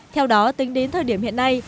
theo đó tính đến thời điểm hiện nay